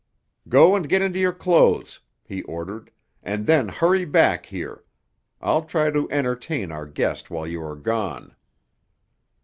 "Go and get into your clothes," he ordered, "and then hurry back here. I'll try to entertain our guest while you are gone."